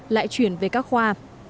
lại chuyển về các khoa